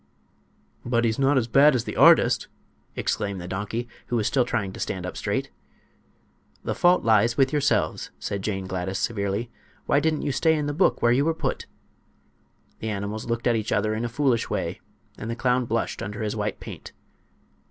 "But he's not as bad as the artist," exclaimed the donkey, who was still trying to stand up straight. "The fault lies with yourselves," said Jane Gladys, severely. "Why didn't you stay in the book, where you were put?" The animals looked at each other in a foolish way, and the clown blushed under his white paint.